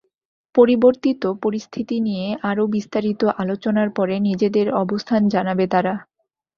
পরিবর্তিত পরিস্থিতি নিয়ে আরও বিস্তারিত আলোচনার পরে নিজেদের অবস্থান জানাবে তারা।